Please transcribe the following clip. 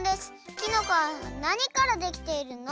きのこは何からできているの？」